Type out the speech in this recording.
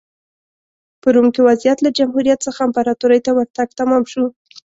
په روم کې وضعیت له جمهوریت څخه امپراتورۍ ته ورتګ تمام شو